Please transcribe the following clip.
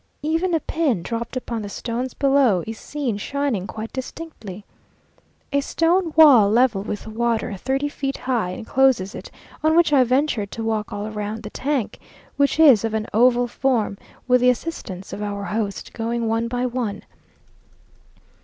Even a pin, dropped upon the stones below, is seen shining quite distinctly. A stone wall, level with the water, thirty feet high, encloses it, on which I ventured to walk all round the tank, which is of an oval form, with the assistance of our host, going one by one.